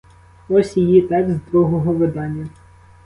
Ось її текст з другого видання.